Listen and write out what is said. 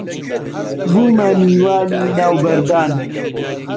بوومە میوانی ناو بەردان